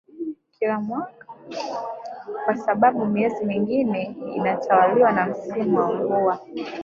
kila mwaka kwa sababu miezi mingine inatawaliwa na msimu wa mvua